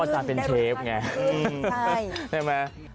อาจารย์เป็นเชฟไงใช่ไหม